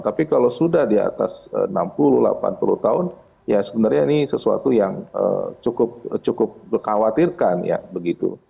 tapi kalau sudah di atas enam puluh delapan puluh tahun ya sebenarnya ini sesuatu yang cukup mengkhawatirkan ya begitu